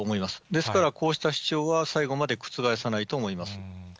ですから、こうした主張は、最後まで覆さないと思います。